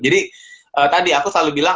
jadi tadi aku selalu bilang